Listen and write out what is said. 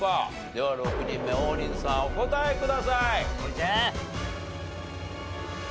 では６人目王林さんお答えください。